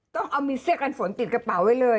ต้องเอามีเสื้อกันฝนติดกระเป๋าไว้เลย